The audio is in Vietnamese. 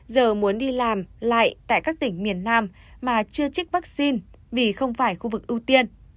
giờ muốn đi làm lại tại các tỉnh miền nam mà chưa trích vaccine vì không phải khu vực ưu tiên